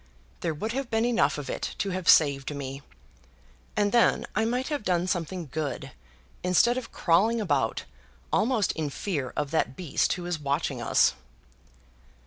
There would have been enough of it to have saved me. And then I might have done something good instead of crawling about almost in fear of that beast who is watching us."